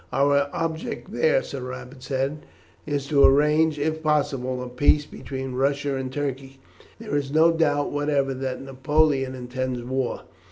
"Our object there," Sir Robert said, "is to arrange, if possible, a peace between Russia and Turkey. There is no doubt whatever that Napoleon intends war.